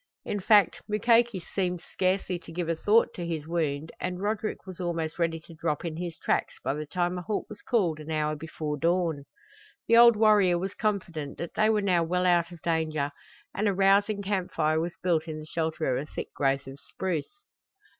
In fact, Mukoki seemed scarcely to give a thought to his wound and Roderick was almost ready to drop in his tracks by the time a halt was called an hour before dawn. The old warrior was confident that they were now well out of danger and a rousing camp fire was built in the shelter of a thick growth of spruce.